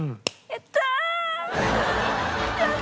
やったー！